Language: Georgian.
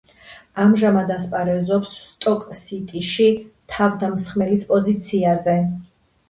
ამჟამად ასპარეზობს „სტოკ სიტიში“ თავდამსხმელის პოზიციაზე.